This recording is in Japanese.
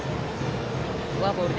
フォアボール。